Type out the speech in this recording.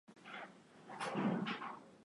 hadi mwaka elfu mbili na kumi na nane